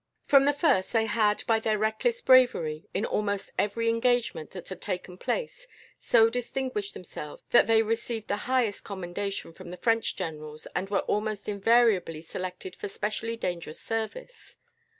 From the first they had, by their reckless bravery, in almost every engagement that had taken place, so distinguished themselves that they received the highest commendation from the French generals, and were almost invariably selected for specially dangerous service.